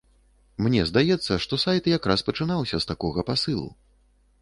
Мне здаецца, што сайт якраз пачынаўся з такога пасылу.